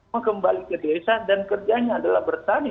mau kembali ke desa dan kerjanya adalah bertani